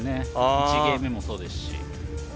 １ゲーム目もそうですし。